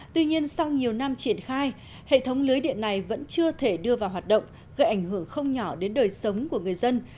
tuy nhiên sau nhiều năm triển khai hệ thống lưới điện này vẫn chưa thể đưa vào hoạt động gây ảnh hưởng không nhỏ đến đời sống của người dân